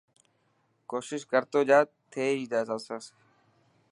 ڪوشش ڪرتو جا ٿي هي باسي.